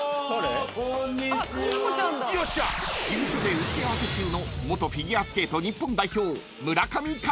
［事務所で打ち合わせ中の元フィギュアスケート日本代表］